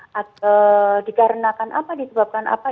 jadi itu dikarenakan apa disebabkan apa